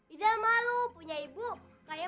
iza kenapa jadikan begini sayang